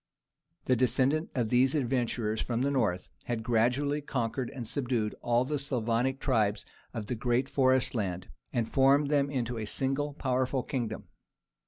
The descendants of these adventurers from the north had gradually conquered and subdued all the Slavonic tribes of the great forest land, and formed them into a single powerful kingdom.